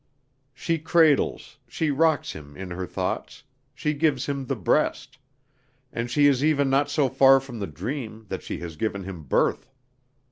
She cradles, she rocks him in her thoughts, she gives him the breast; and she is even not so far from the dream that she has given him birth.